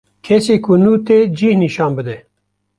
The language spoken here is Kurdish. Kesî ku nû tê cih nişan bide